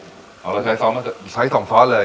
อ๋อเราใช้ซอสมะเขือเทศใช้๒ซอสเลย